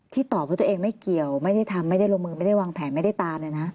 ตอบว่าตัวเองไม่เกี่ยวไม่ได้ทำไม่ได้ลงมือไม่ได้วางแผนไม่ได้ตาม